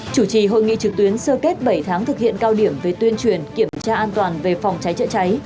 chủ trì hội nghị trực tuyến sơ kết bảy tháng thực hiện cao điểm về tuyên truyền kiểm tra an toàn về phòng cháy chữa cháy